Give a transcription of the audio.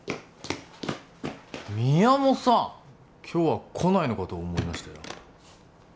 今日は来ないのかと思いましたよ